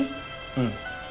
うん。